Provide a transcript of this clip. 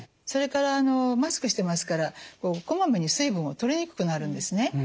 それからマスクしてますからこまめに水分をとりにくくなるんですね。